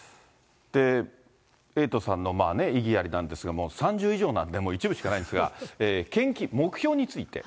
エイトさんのまあね、異議ありなんですが、３０以上なんで一部しかないんですが、献金、目標について。